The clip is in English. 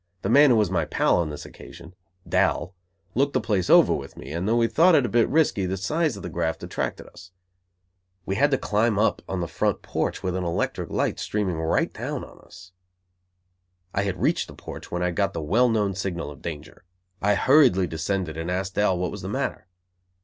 The man who was my pal on this occasion, Dal, looked the place over with me and though we thought it a bit risky, the size of the graft attracted us. We had to climb up on the front porch, with an electric light streaming right down on us. I had reached the porch when I got the well known signal of danger. I hurriedly descended and asked Dal what was the matter.